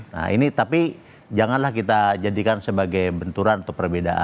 nah ini tapi janganlah kita jadikan sebagai benturan atau perbedaan